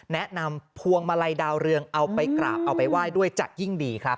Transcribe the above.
แนะนำพวงมาลัยดาวเรืองเอาไปกราบเอาไปไหว้ด้วยจะยิ่งดีครับ